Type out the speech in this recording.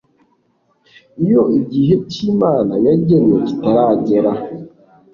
iyo igihe cyimana yagennye kitaragera